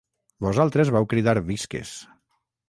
Vosaltres vau cridar visques.